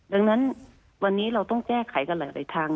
ดังนั้นวันนี้เราต้องแก้ไขกันหลายทาง